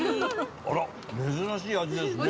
あら珍しい味ですね。